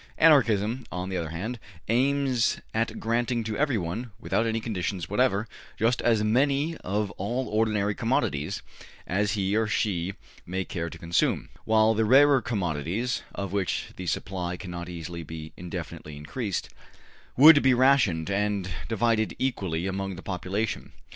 Anarchism, on the other hand, aims at granting to everyone, without any conditions whatever, just as much of all ordinary commodities as he or she may care to consume, while the rarer com modities, of which the supply cannot easily be indefinitely increased, would be rationed and divided equally among the population.